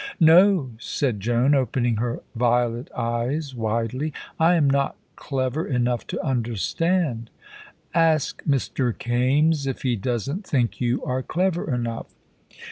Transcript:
"No," said Joan, opening her violet eyes widely. "I am not clever enough to understand." "Ask Mr. Kaimes if he doesn't think you are clever enough."